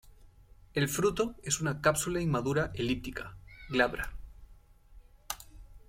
El fruto es una cápsula inmadura elíptica, glabra.